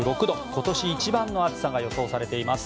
今年一番の暑さが予想されています。